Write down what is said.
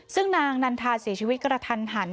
ซึ่งนางนันทาเสียชีวิตกระทันหัน